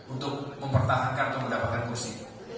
untuk mempertahankan atau mendapatkan kursi